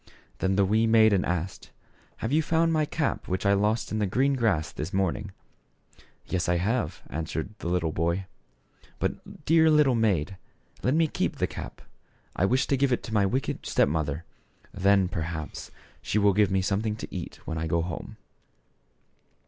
Then the wee maiden asked, " Have you found my cap which I lost in the green grass this morning ?"" Yes, I have," answered the little boy, "but, dear little maid, let me keep the cap. I wish to give it to my wicked step mother ; then, perhaps, she will give me something to eat when I go home."